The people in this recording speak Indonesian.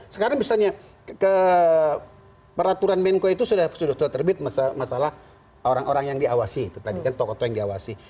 sekarang misalnya peraturan menko itu sudah terbit masalah orang orang yang diawasi